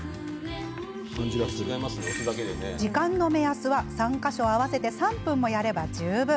時間の目安は３か所合わせて３分もやれば十分。